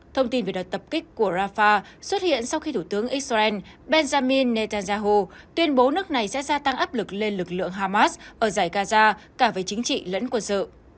thông tin về đợt tập kích của rafah xuất hiện sau khi thủ tướng israel benjamin netanyahu tuyên bố nước này sẽ gia tăng áp lực lên lực lượng hamas ở giải gaza cả về chính trị lẫn quân sự